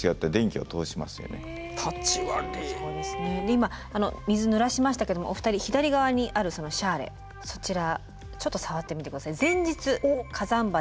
今水ぬらしましたけどもお二人左側にあるそのシャーレそちらちょっと触ってみて下さい。